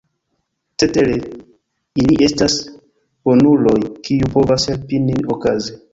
Cetere, ili estas bonuloj, kiuj povas helpi nin okaze.